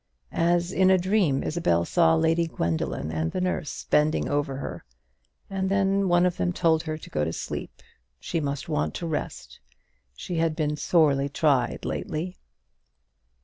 As in a dream, Isabel saw Lady Gwendoline and the nurse bending over her; and then one of them told her to go to sleep; she must want rest; she had been sorely tried lately.